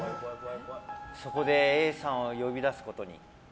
そこで、Ａさんを呼び出すことに。